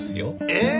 えっ！